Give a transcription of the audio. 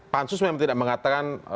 pansus memang tidak mengatakan